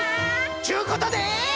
ちゅうことで。